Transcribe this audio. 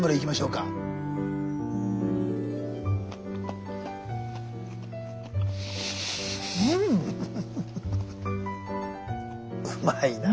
うまいな。